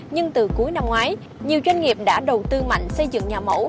nhưng từ cuối năm ngoái nhiều doanh nghiệp đã đầu tư mạnh xây dựng nhà mẫu